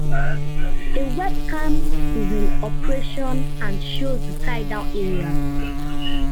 A webcam is in operation and shows the tie down area.